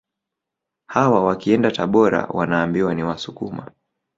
Hawa wakienda Tabora wanaambiwa ni Wasukuma